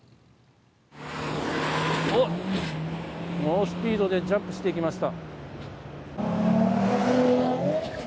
猛スピードでジャンプしていきました。